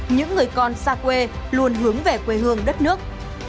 những người con xa quê luôn hướng về quê hương đất nước